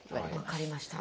分かりました。